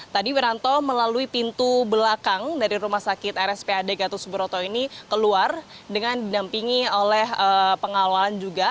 tadi wiranto melalui pintu belakang dari rumah sakit rspad gatot subroto ini keluar dengan didampingi oleh pengawalan juga